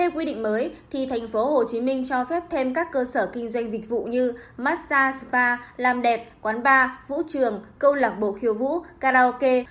quy định mới thì tp hcm cho phép thêm các cơ sở kinh doanh dịch vụ như massage spa làm đẹp quán bar vũ trường câu lạc bộ khiêu vũ karaoke